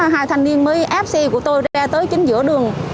hai thành niên mới ép xe của tôi ra tới chính giữa đường